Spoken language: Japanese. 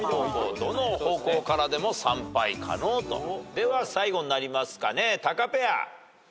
では最後になりますかねタカペア。